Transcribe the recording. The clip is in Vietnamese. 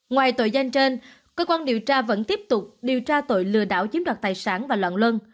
ngoài tội danh trên cơ quan điều tra vẫn tiếp tục điều tra tội lừa đảo chiếm đoạt tài sản và loạn luân